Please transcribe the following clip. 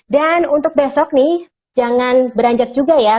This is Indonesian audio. dan untuk besok nih jangan beranjat juga ya